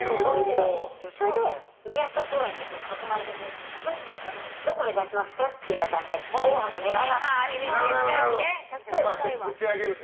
それで、宮下公園で囲まれてどこを目指しますかって言われたので「紅白」狙いますって。